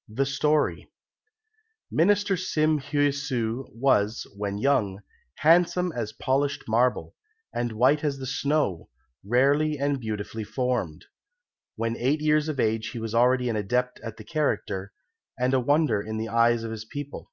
] The Story Minister Sim Heui su was, when young, handsome as polished marble, and white as the snow, rarely and beautifully formed. When eight years of age he was already an adept at the character, and a wonder in the eyes of his people.